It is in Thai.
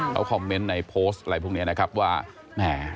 เขาคอมเมนต์ในโพสต์อะไรพวกนี้นะครับว่าแหม